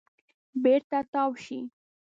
بېرته تاو شئ .